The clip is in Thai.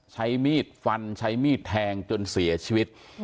ใช้มีดฟันใช้มีดแทงจนเสียชีวิต